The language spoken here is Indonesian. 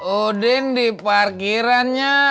udin di parkiran nyak